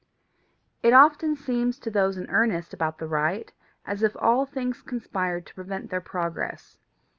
It often seems to those in earnest about the right as if all things conspired to prevent their progress.